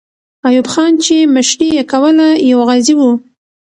ایوب خان چې مشري یې کوله، یو غازی وو.